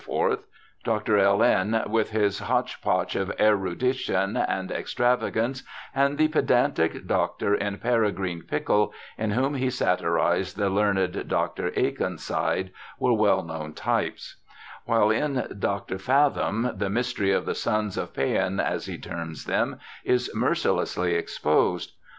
Dr. L n with his ' hotch potch of erudition and ex travagance ', and the pedantic doctor in Peregrine Pickle, in whom he satirized the learned Dr. Akenside, were well known types ; while in Dr. Fathom the ' mystery ' of the sons of Paean, as he terms them, is mercilessly exposed.